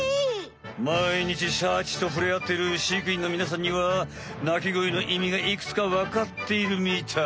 まいにちシャチとふれあってる飼育員のみなさんには鳴き声の意味がいくつかわかっているみたい。